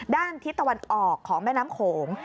ด้านทิศตะวันออกของแม่น้ำโขง